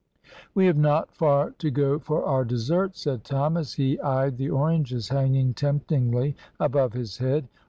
"We have not far to go for our dessert," said Tom, as he eyed the oranges hanging temptingly above his head.